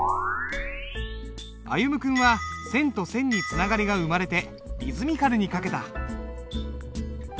歩夢君は線と線につながりが生まれてリズミカルに書けた。